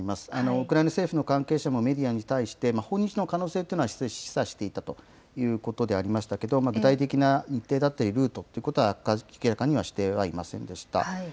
ウクライナ政府の高官もメディアに対して、訪日の可能性というのは示唆していたということでありましたけれども、具体的な日程だったりルートということは明らかにはしていませんでした。